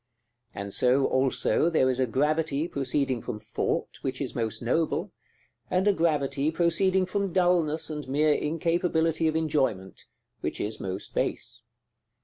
And so, also, there is a gravity proceeding from thought, which is most noble; and a gravity proceeding from dulness and mere incapability of enjoyment, which is most base.